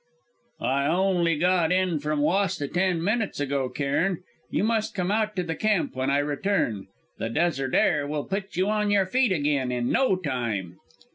"I only got in from Wasta ten minutes ago, Cairn. You must come out to the camp when I return; the desert air will put you on your feet again in no time."